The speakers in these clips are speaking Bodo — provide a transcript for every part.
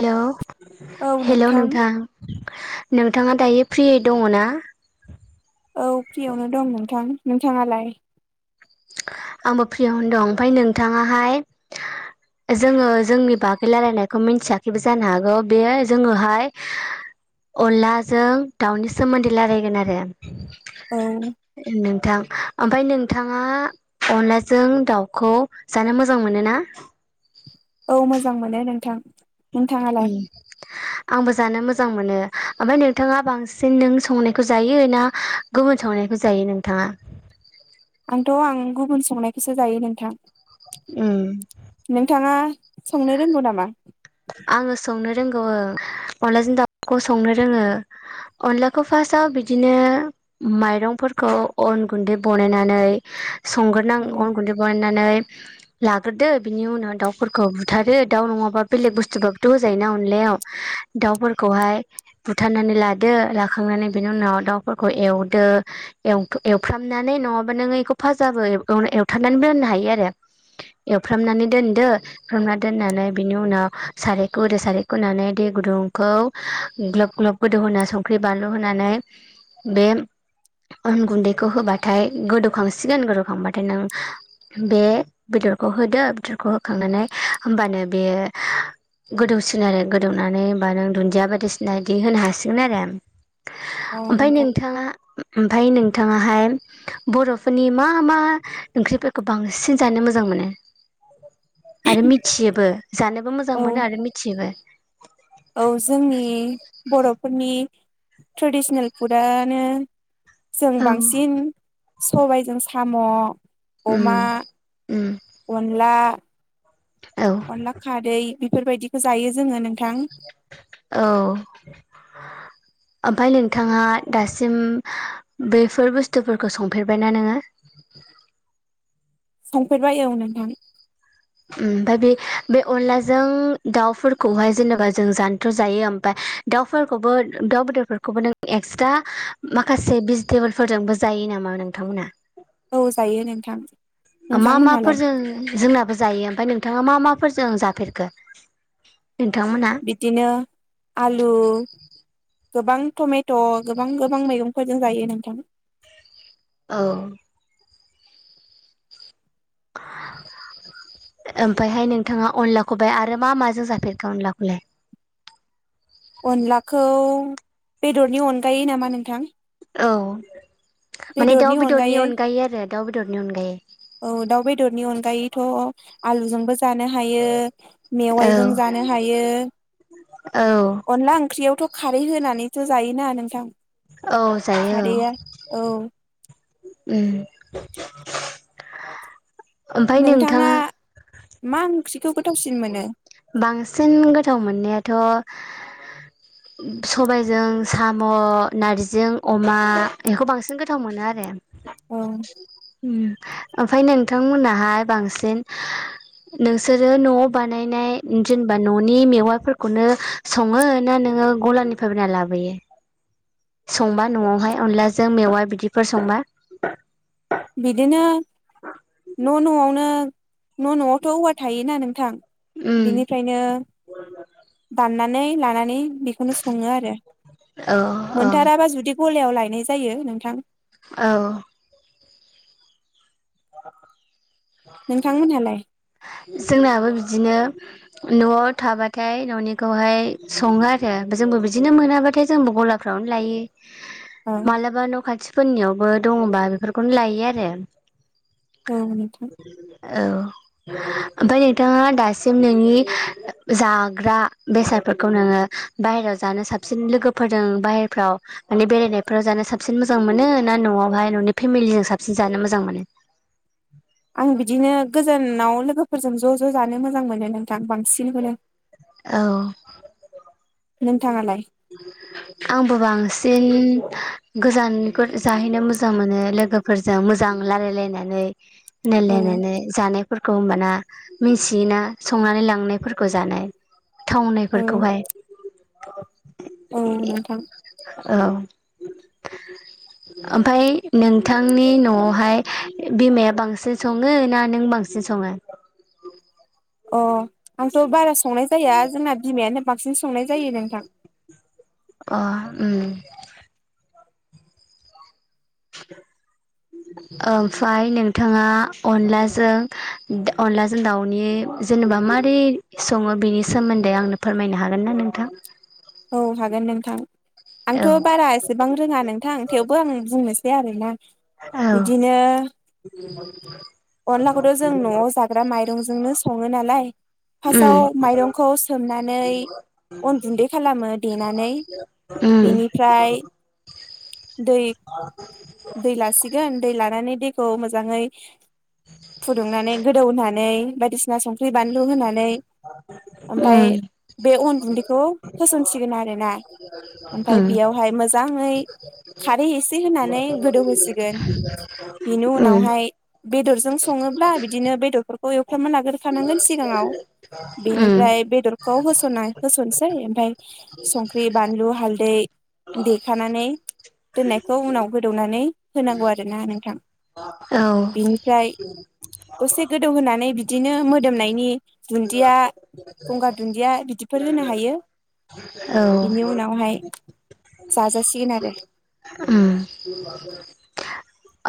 हेलौ हेलौ नोंथां नोंथाङा दायो फ्रियै दङ ना? औ फ्रियावनो दं नोंथां नोंथाङालाय आंबो फ्रिआवनो दं ओमफ्राय नोंथाङाहाय जोङो जोंनि बागै रायलायनायखौ मिथियाखैबो जानो हागौ बे जोङोहाय अनलाजों दाउनि सोमोन्दै रायलायगोन आरो औ [inaudible] नोंथां ओमफ्राय नोंथां आं अनलाजों दाउखौ जानो मोजां मोनो ना? औ मोजां मोनो नोंथां नोंथाङालाय उम आंबो जानो मोजां जां मोनो ओमफ्राय नोंथाङा बांसिन नों संनायखौ जायो ना गुबुन संनायखौ जायो नोंथाङा? आंथ' आं गुबुन संनायखौसो जायो नोंथां नोंथाङा संनो रोंगौ नामा आङो संनो रोंगौ ओ अनलाजों दाउखौ संनो रोङो अनलाखौ फार्स्टआव बिदिनो माइरंफोरखौ अन गुन्दै बनायनानै संग्रोनां अन गुन्दैखौ बानायनानै लाग्रोदो बिनि उनाव दाउफोरखौ बुथारो दाउ नङाबा बेलेग बुस्थुबबाबोथ' होजायोना अनलायाव दाउफोरखौहाय बुथारनानै लादो लाखांनानै बिनि उनाव दाउफोरखौ एवदो एवफ्रामनानै नङाबा नोङो बेखौ फाजाबो एवथारनानै दोननो हायो आरो एवफ्रामनानै दोनदो एवफ्रामनानै दोननानै बिनि उनाव सारायखौ होदो सारायख होनानै दै गुदुंखौ ग्लब ग्लब गोदौहा संख्रि बानलु होनानै बे आन गुन्दैखौ होबाथाय गोदौखांसिगोन गोदौखांबाथाय नों बे बेदरखौ होदो बेदरखौ होखांनानै होमबानो बे गोदौसिगोन आरो गोदौनानै होमबा नों दुन्दिया बायदिसिना बिदि होनो हासिगोन आरो अ ओमफ्राय नोंथां नोंथाङा ओमफ्राय नोंथाङाहाय बर'फोरनि मा मा ओंख्रिफोरखौ बांसिन जानो मोजां मोनो आरो मिथियोबो जानोबो मोजां औ मोनो आरो मिथियोबो। औ जोंनि बर'फोरनि ट्रेडिसनेल फुडआनो जों औ बांसिन सबायजों साम' उम अमा उम अनला औ अनला खारै बेफोरबायदिखो जायो जोङो नों औ ओमफाय नोंथाङा दासिम बेफोर बुस्थुफोरखौ संफेरबायना नोङो संफेरबाय औ नोंथां। ओमफाय बे बे अनलाजों दाउफोरखौहाय जेनेबा जों जानोथ जायो ओमफफ्राय दाउफोरखौबो दाउ बेदरफोरखौबो नों एक्सट्रा माखासे भेजिटेबोलफोरजोंबो जायो नामा नोंथांमोना? औ जायो नोंथां। ओ मा नोंथांमोनहालाय माफोरजों जोंनाबो जायो ओमफाय नोंथाङा मा मा फोरजों जाफेरखो? नोंथांमोना? बिदिनो आलु गोबां टमेट गोबां गोबां मैगंफोर जों जायो नोंथां। औ ओमफायहाय नोंथाङा अनलाखौ आरो मा माजों जाफेरगो अनलाखौलाय? अनलाखौ बेदरनि अनगायै नामा नोंथां? औ माने दाउ बेदरनि अनगायै आरो दाउ बेदरनि अनगायै औ दाउ बेदरनि अनगायैथ आलु जोंबो जानो हायो, मेवाइजों औ जानो हायो, औ अनला ओंख्रियावथ खारै होनानै जायोना नोंथां? औ जायो औ। खारैया औ उम [inaudible] नोंथाङा मा ओंख्रि बांसिन गोथाव मोननायाथ ओ सबाइजों साम', नारजिजों अमा बेखौ बांसिन गोथाव मोनो आरो। औ उम ओमफाय नोंथांमोननाहाय बांसिन नों सोरो नआव बानायनाय जेनेबा ननि मेवाफोरखौनो सङो ना नोङो गलानिफ्राय बायना लाबोयो। संबा नआवहाय अनलाजों मेवा बिदिफोर संबा। बिदिनो न नआवनो न नआवथ औवा थायोना नोंथां। उम बिनिफ्रायनो दानना नै लानानै बेखौनो सङो आरो औ औ मोनथाराबा जुदि गलायाव लायनाय जायो नोंथां। औ नोंथांमोनहालाय जोंनाबो बिदिनो न'आव थाबाथाय न'निखौहाय सङो आरो जोंबो बिदिनो मोनाबाथाय जोंबो गलाफ्रावनो लायो‌। औ मालाबा न' खाथिफोरनियावबो दङबा बेफोरखौनो लायो आरो ओं [inaudible] औ ओमफाय नोंथाङा दासिम नोंनि जाग्रा बेसादफोरखौ नोङो बाहेरायाव जानो साबसिन लोगोफोरजों बाहेरफ्राव माने बेरायनायफ्राव जानो साबसिन मोजां मोनो ना न'आवहाय ननि फेमिलिजों साबसिन जानो मोजां मोनो? आं बिदिनो गोजानाव लोगोफोरजों ज' ज' जानो मोजां मोनो नोंथां बांसिनखौनो। औ नोंथाङालाय? आंबो बांसिन गोजानखौ जाहैनो मोजां मोनो लोगोफोरजों मोजां लारायलायनानै। औ नालायनायनै जानाय फोरखौ होमबाना मिसियोना संनानै लांनायफोरखौ जानाय। औ थावनायफोरखौहाय [inaudible] औ नोंथां औ ओमफाय नोंथांनि न'आवहाय बिमाया बांसिन सङो ना नों बांसिन सङो? अ आंथ बारा संनाय जाया जोंना बिमायानो बांसिन संनाय जायो नोंथां। अ [unintelligible] ओमफाय नोंथाङा अनलाजों अनलाजों दाउनि जेनेबा मारै सङो बेनि सोमोन्दै आंनो फोरमायनो हागोन ना नोंथां। औ हागोन नोंथां। आंथ' औ बारा एसेबां रोङा नोंथां थेवबो आं बुंनो सै आरोना। औ बिदिनो अनलाखौथ' जों न'आव जाग्रा माइरंजोंनो सङो नालाय फासाव उम माइरंखौ सोमनानै अनगुन्दै खालामो देनानै उम बेनिफ्राय दै [unintelligible] दै लासिगोन दै ला नानै दैखौ मोजाङै फुदुंनानै गोदौनानै ऐ बायदिसिना संख्रि बानलु होनानै ओमफाय उम बे अन गुन्दैखौ होसनसिगोन आरोना ओमफाय उम बेयावहाय मोजाङै खारै एसे होनानै खौ होसिगोन बिनि उम उनावहाय बेदरजों संङोब्ला बिदिनो बेदरफोखौ एवफ्राम मोना खानांगोन सिगाङाव उम बेनिफ्राय बेदरखौ होस'ना होस'ननोसै ओमफ्राय संख्रि बानलु हाल्दै देखानानै दोननायखौ उनाव हो दौनानै होनांगौ आरोना नोंथां बेनिफ्राय औ दसे गोदौहोनानै बिदिनो मोदोमनायनि दुन्दिया गंगार दुन्दिया बिदिफोर होनो हायो बिनि उनावहाय औ जाजासिगोन आरो उम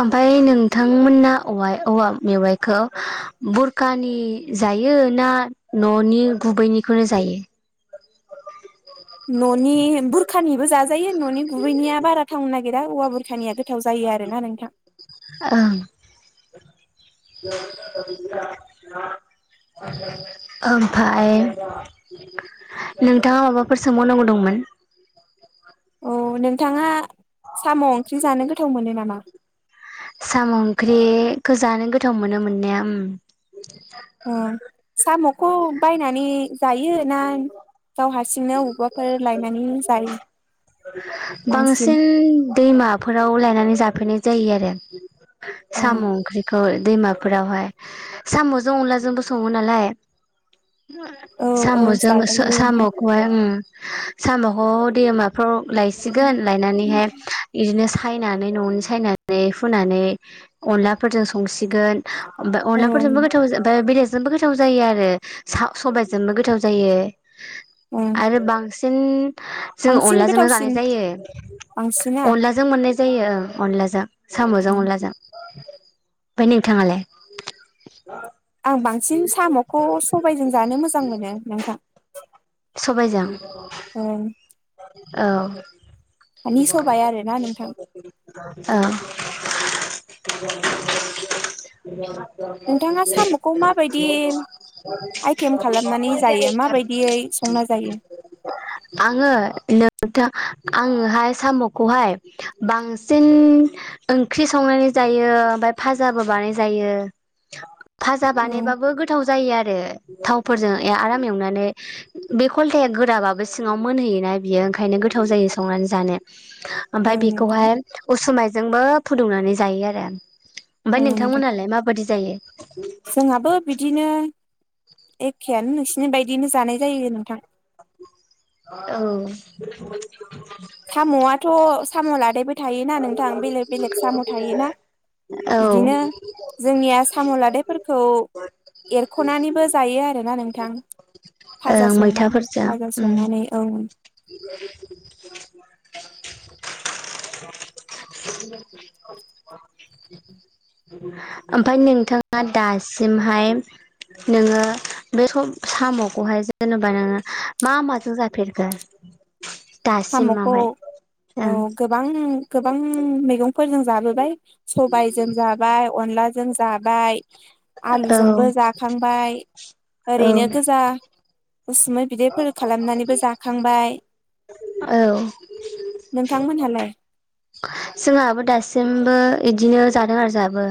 ओमफाय नोंथांमोना औव औवा मेवाइखौ बुरखानि जायो ना न'नि गुबैनिखौनो जायो? न'नि बुरखानिबो जाजायो न'नि गुबैनिया बारा थावनो नागिरा औवा बुरखानिया गोथाव जायो आरोना नोंथां ओं [unintelligible] ओमफाय नोंथाङा माबाफोर सोंबाव नांगौ दंमोन? औ नोंथाङा साम' ओंख्रि जानो गोथाव मोनो नामा? साम' ओंख्रिखौ जानो गोथाव मोनो मोननाया उम अ साम'खौ बायनानै जायो ना गावहा [unintelligible] बांसिन दैमाफोराव लायनानै जाफैनाय जायो आरो औ साम' ओंख्रिखौ दैमाफोरावहाय साम'जों अनला जोंबो संङो नालाय औ साम'जों जाजायो साम' नोंथां उम साम'खौ दैमाफ्राव लायसिगोन लायनानैहाय बिदिनो सायनानै न'नि सायनानै फुनानै अनला फोरजों संसिगोन। ओमफाय औ अनलाफोरजोंबो गोथाव जा ओमफाय बेदर जोंबो गोथाव जायो आरो सा सबाय जोंबो गोथाव जायो। ओं आरो बांसि उम। जोंङो बांसिन अनला जोंनो जानाय गोथावसिन जायो बांसिना अनलाजों माने जायो अनलाजों। साम'जों अनलाजों। ओमफाय नोंथांङालाय? आं बांसिन साम'खौ सबायजों जानो मोजां मोनो नोंथां। सबाय जों। ओं औ। [unintelligible] अ। [unintelligible] हानि सबाय आरोना नोंथां नोंथाङा साम'खौ माबायदि आइटेम खालामनानै जायो माबायदियै [unintelligible] संना जायो आंङो [unintelligible] आंङोहाय साम'खौहाय बांसिन ओंख्रि संनानै जायो ओमफ्राय फाजाबो बानाय जायो। फाजा औ बानायबाबो गोथाव जायो आरो। थावफोरजों ए आराम एवनानै बे खलथाया गोराबाबो सिङाव मोनहैयोना। बियो ओंखायनो गोथाव जायो संनानै जानो। औ ओमफाय नोंथां बेखौहाय उसुमाय जोंबो फुदुंनानै जायो आरो। औ ओमफाय नोंथां नोंथांमोनहालाय माबायदि जायो? जोंहाबो बिदिनो एखेयानो नोंसिनि बायदियैनो जानाय जायो नोंथां। औ। [unintelligible] साम'आथ' साम' लादायबो थायोना नोंथां बेलेग बेलेग साम' थायोना औ बिदिनो जोंनिया साम' लादायफोरखौ एरख'नानैबो जायो आरोना नोंथां फाजा संना मैथाफोरजों फाजा संनानै ओं। [unintelligible] ओमफ्राय नोंथाङा दासिमहाय नोंङो बे सम साम'खौहाय जेनेबा नोंङो मा माजों जाफेरखो? [inaudible] साम'खौ दासिमावहाय औ ओं गोबां गोबां मैगं फोरजों जाबोबाय सबायजों जाबाय अनला जों जाबाय। औ आलुजोंबो जाखांबाय औ ओरैनो गोजा उसुमै बिदैफोर खालामनानैबो जाखांबाय। औ नोंथांमोनहालाय [inaudible] जोंहाबो दासिमबो इदिनो जादों आरो जाहाबो।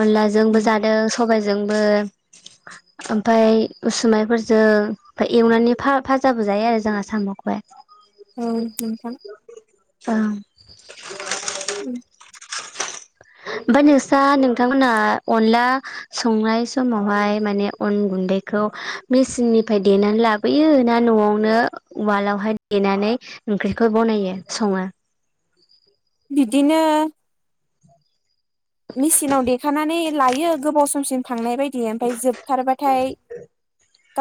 अनलाजोंबो जादों सबायजों जोंबो ओमफाय उसुमाइफोरजों ओमफ्राय एवनानै फा फाजाबो जायो आरो जोंहा साम'खौहाय। औ नोंथां । औ उ ओमफाय नोंसा नोंथांमोनहा अनला संनाय समावहाय माने अन गुन्दैखौ मेचिननिफाय देनानै लाबोयो ना न'आवनो उवालावहाय देनानै ओंख्रिखौ बनायो सङो? बिदिनो मेसिनाव देखानानै लायो गोबाव समसिम थांनाय बायद दि ओमफाय जोबथारबाथाय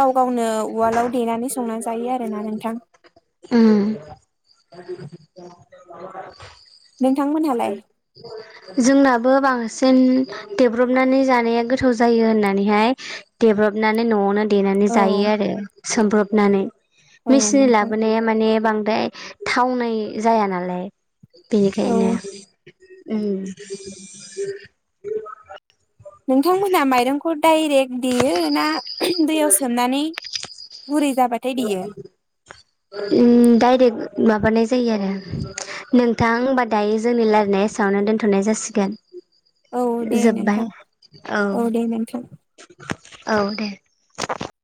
गाव गावनो उवालआव देनानै संनानै जायो आरोना नोंथां । उम [unintelligible] नोंथांमोनहालाय? जोंनाबो बांसिन देब्रबनानै जानाया गोथाव जायो होननानैहाय देब्रबनानै न'आवनो देनानै औ जायो आरो सोमब्रबनानै औ मेसिननि नोंथां लाबोनाया माने बां द्राय थावनाय जाया नालाय । औ बेनिखायनो उम नोंथांमोहा माइरंखौ डाइरेक्ट देयो ना दैयाव सोमनानै [inaudible] जाबाथाय देयो उ डायरेक्ट माबानाय जायो आरो नोंथां होमबा दायो जोंनि लायरायनाया एसेयावनो दोनथ'नाय जासिगोन औ । दे जोब्बाय नोंथां औ दे नोंथां । औ दे ।